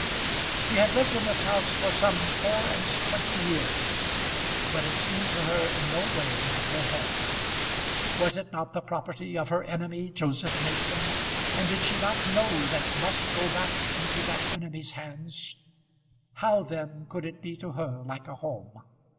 She had lived in this house for some four and twenty years, but it seemed to her in no way like her home. Was it not the property of her enemy, Joseph Mason? and did she not know that it must go back into that enemy's hands? How then could it be to her like a home?